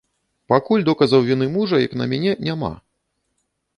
Пакуль доказаў віны мужа, як на мяне, няма.